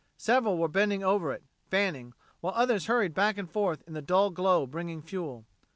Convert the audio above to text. Several were bending over it, fanning, while others hurried back and forth in the dull glow bringing fuel.